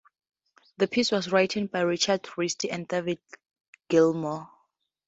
The piece was written by Richard Wright and David Gilmour.